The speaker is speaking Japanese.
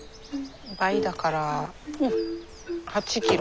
倍だから８キロ。